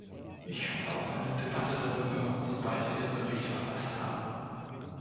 Ich hoffe auf eine Debatte darüber, sobald wir den Bericht verfasst haben.